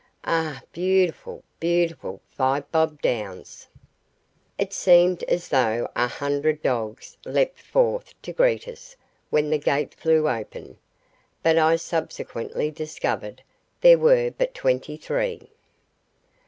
Ah! beautiful, beautiful Five Bob Downs! It seemed as though a hundred dogs leapt forth to greet us when that gate flew open, but I subsequently discovered there were but twenty three.